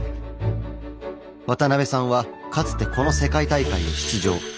渡邉さんはかつてこの世界大会に出場。